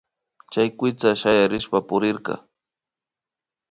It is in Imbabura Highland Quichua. Chay kuytsa shayarishpa purirka